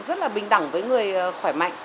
rất là bình đẳng với người khỏe mạnh